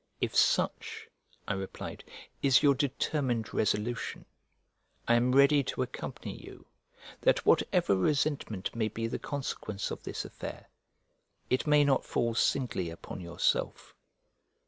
"If such," I replied, "is your determined resolution, I am ready to accompany you, that whatever resentment may be the consequence of this affair, it may not fall singly upon yourself."